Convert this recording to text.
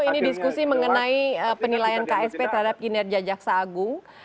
ini diskusi mengenai penilaian ksp terhadap kinerja jaksa agung